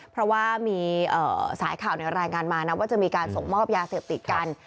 เพราะว่ามีสายข่าวรายงานมานะว่าจะมีการส่งมอบยาเสพติดกัน